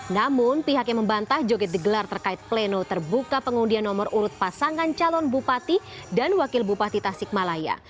namun pihaknya membantah joget digelar terkait pleno terbuka pengundian nomor urut pasangan calon bupati dan wakil bupati tasikmalaya